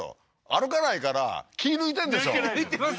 歩かないから気抜いてんでしょ？